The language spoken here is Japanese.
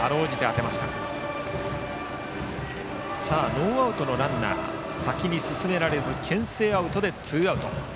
ノーアウトのランナーを先に進められずけん制アウトでツーアウト。